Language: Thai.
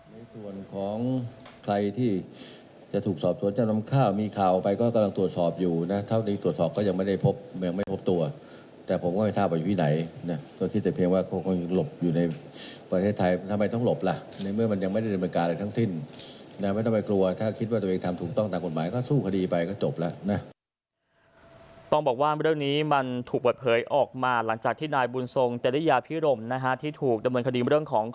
ในส่วนของใครที่จะถูกสอบสวนเจ้าน้ำข้าวมีข่าวไปก็กำลังตรวจสอบอยู่นะเท่านี้ตรวจสอบก็ยังไม่ได้พบยังไม่พบตัวแต่ผมก็ไม่ทราบว่าอยู่ไหนนะก็คิดแต่เพียงว่าเขาคงหลบอยู่ในประเทศไทยทำไมต้องหลบล่ะในเมื่อมันยังไม่ได้เป็นประการอะไรทั้งสิ้นและไม่ต้องไปกลัวถ้าคิดว่าตัวเองทำถูกต้อง